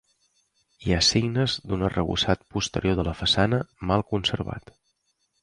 Hi ha signes d'un arrebossat posterior de la façana, mal conservat.